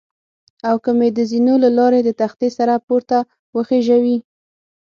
او که مې د زینو له لارې د تختې سره پورته وخېژوي.